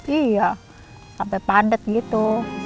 iya sampai padat gitu